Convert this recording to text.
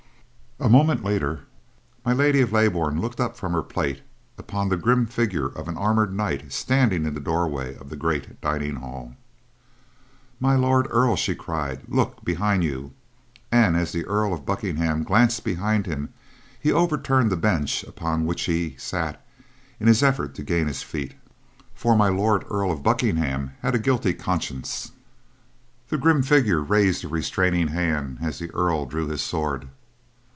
A moment later, My Lady of Leybourn looked up from her plate upon the grim figure of an armored knight standing in the doorway of the great dining hall. "My Lord Earl!" she cried. "Look! Behind you." And as the Earl of Buckingham glanced behind him, he overturned the bench upon which he sat in his effort to gain his feet; for My Lord Earl of Buckingham had a guilty conscience. The grim figure raised a restraining hand, as the Earl drew his sword.